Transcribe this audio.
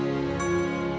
kenapa sih mi kesel kenapa ya